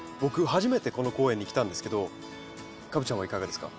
初めてこの公園に来たんですけどカブちゃんはいかがですか？